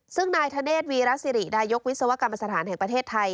ซึ่งนายธเดชวีรสิรินายกวิศวกรรมสถานแห่งประเทศไทย